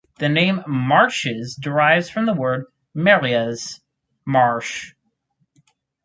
The name "Marches" derives from the word "marais" (marsh).